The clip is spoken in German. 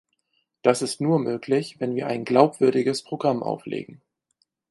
Das ist nur möglich, wenn wir ein glaubwürdiges Programm auflegen.